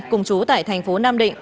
cùng chú tại thành phố nam định